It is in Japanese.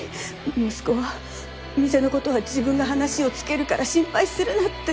息子は店のことは自分が話をつけるから心配するなって。